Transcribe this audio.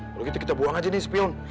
kalau gitu kita buang aja nih spion